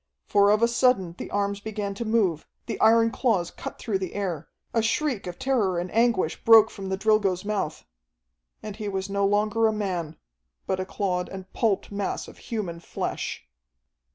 For of a sudden the arms began to move, the iron claws cut through the air a shriek of terror and anguish broke from the Drilgo's mouth ... and he was no longer a man, but a clawed and pulped mass of human flesh!